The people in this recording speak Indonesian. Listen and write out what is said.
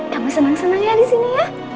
apa senang senang ya di sini ya